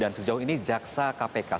dan sejauh ini jaksa kpk